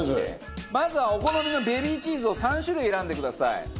まずはお好みのベビーチーズを３種類選んでください。